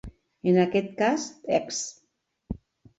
En aquest cas, Eqs.